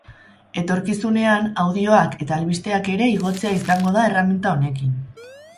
Etorkizunean, audioak eta albisteak ere igotzea izango da erreminta honekin.